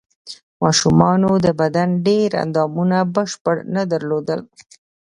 ماشومانو د بدن ډېر اندامونه بشپړ نه درلودل.